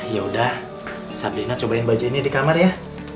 ya udah sabdinat cobain baju ini di kamar ya